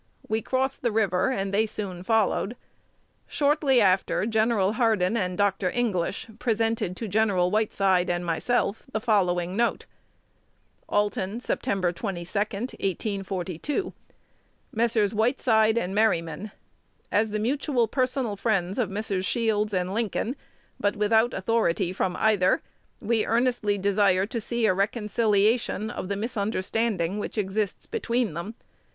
We crossed the river, and they soon followed. Shortly after, Gen. Hardin and Dr. English presented to Gen. Whiteside and myself the following note: Alton, Sept. 22, 1842. Messrs. Whiteside and Merryman. As the mutual personal friends of Messrs. Shields and Lincoln, but without authority from either, we earnestly desire to see a reconciliation of the misunderstanding which exists between them.